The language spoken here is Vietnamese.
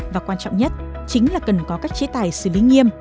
đặc biệt nhất chính là cần có các chế tài xử lý nghiêm